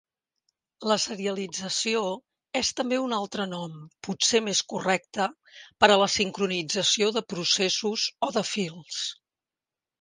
La serialització és també un altre nom, potser més correcte, per a la sincronització de processos o de fils.